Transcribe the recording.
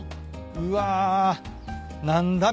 うわ。何だ？